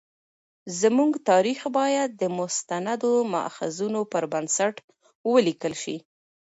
زموږ تاریخ باید د مستندو مأخذونو پر بنسټ ولیکل شي.